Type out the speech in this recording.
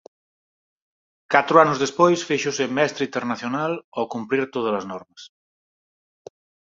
Catro anos despois fíxose "Mestre Internacional" ó cumprir todas as normas.